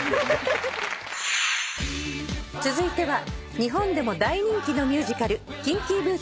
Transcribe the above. ［続いては日本でも大人気のミュージカル］